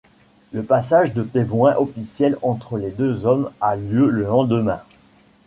Le passage de témoin officiel entre les deux hommes a lieu le lendemain.